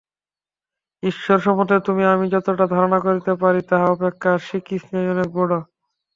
ঈশ্বর সম্বন্ধে তুমি আমি যতটা ধারণা করিতে পারি, তাহা অপেক্ষা শ্রীকৃষ্ণ অনেক বড়।